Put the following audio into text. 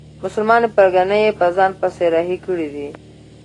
مسلمانې پرګنې یې په ځان پسې رهي کړي دي.